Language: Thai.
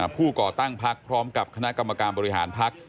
ก่อตั้งพักพร้อมกับคณะกรรมการบริหารพัก